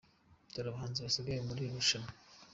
Dore abahanzi basigaye muri iri rushanwa.